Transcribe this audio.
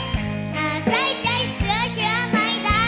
หน้าใจเสื้อเชื่อไม่ได้